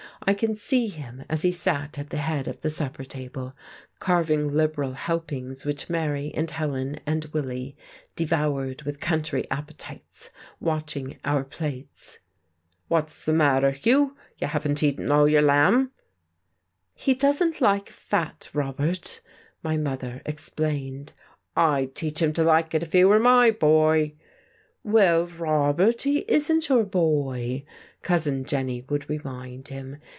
I can see him as he sat at the head of the supper table, carving liberal helpings which Mary and Helen and Willie devoured with country appetites, watching our plates. "What's the matter, Hugh? You haven't eaten all your lamb." "He doesn't like fat, Robert," my mother explained. "I'd teach him to like it if he were my boy." "Well, Robert, he isn't your boy," Cousin Jenny would remind him....